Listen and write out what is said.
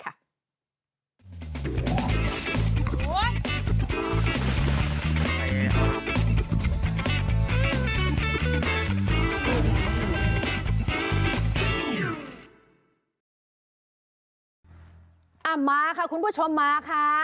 อันนี้คุณผู้ชมมาค่ะ